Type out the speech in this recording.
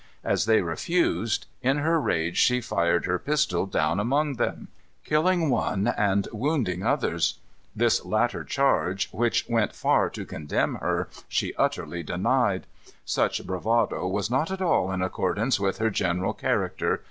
As they refused, in her rage she fired her pistol down among them, killing one and wounding others. This latter charge, which went far to condemn her, she utterly denied. Such bravado was not at all in accordance with her general character.